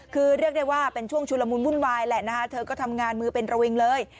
คือเรียกได้ว่าเป็นช่วงชุลมุนวุ่นวายแหละนะคะเธอก็ทำงานมือเป็นระวิงเลย